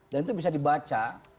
dan itu bisa dibaca